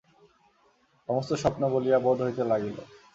সমস্ত স্বপ্ন বলিয়া বোধ হইতে লাগিল।